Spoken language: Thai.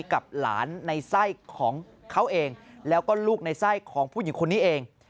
กับหลานในไส้ของเขาเองแล้วก็ลูกในไส้ของผู้หญิงคนนี้เอง